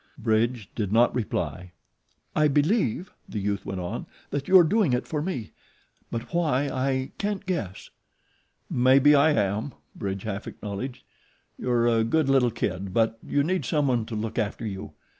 Bridge did not reply. "I believe," the youth went on, "that you are doing it for me; but why I can't guess." "Maybe I am," Bridge half acknowledged. "You're a good little kid, but you need someone to look after you.